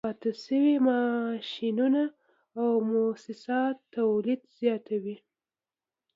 پاتې شوي ماشینونه او موسسات تولید زیاتوي